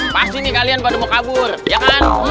pas ini kalian pada mau kabur ya kan